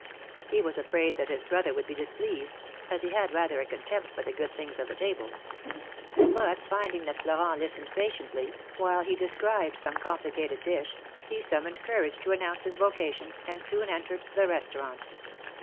He was afraid that his brother would be displeased, as he had rather a contempt for the good things of the table; but finding that Florent listened patiently, while he described some complicated dish, he summoned courage to announce his vocation, and soon entered the Kestaurant.